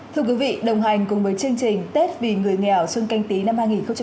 thưa quý vị đồng hành cùng với chương trình tết vì người nghèo xuân canh tí năm hai nghìn hai mươi